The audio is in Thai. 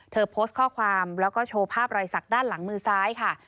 โพสต์ข้อความแล้วก็โชว์ภาพรอยสักด้านหลังมือซ้ายค่ะ